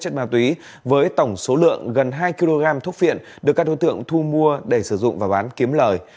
chất ma túy với tổng số lượng gần hai kg thuốc viện được các đối tượng thu mua để sử dụng và bán kiếm lời